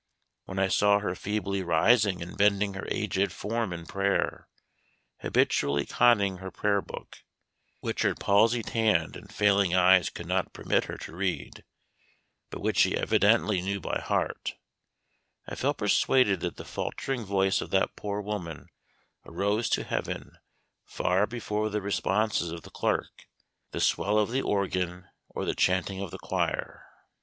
When I saw her feebly rising and bending her aged form in prayer; habitually conning her prayer book, which her palsied hand and failing eyes could not permit her to read, but which she evidently knew by heart, I felt persuaded that the faltering voice of that poor woman arose to heaven far before the responses of the clerk, the swell of the organ, or the chanting of the choir.